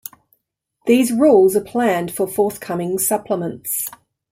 These rules are planned for forthcoming supplements.